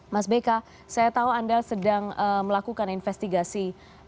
mas beka saya tahu anda sedang melakukan investigasi